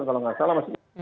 tujuh belas kalau nggak salah